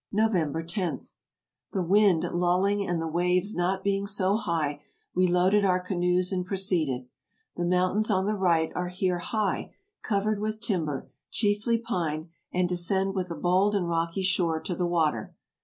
"November 10. — The wind lulling and the waves not being so high, we loaded our canoes and proceeded. The moun tains on the right are here high, covered with timber, chiefly pine, and descend with a bold and rocky shore to the water.